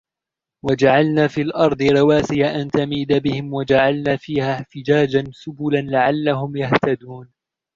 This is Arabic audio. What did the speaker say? وَجَعَلْنَا فِي الْأَرْضِ رَوَاسِيَ أَنْ تَمِيدَ بِهِمْ وَجَعَلْنَا فِيهَا فِجَاجًا سُبُلًا لَعَلَّهُمْ يَهْتَدُونَ